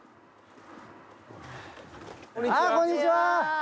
こんにちは！